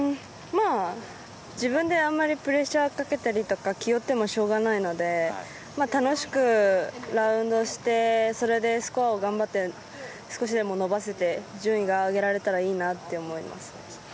自分であまりプレッシャーをかけたりとか気負ってもしょうがないので楽しくラウンドしてそれでスコアを頑張って少しでも伸ばせて順位が上げられたらいいなって思います。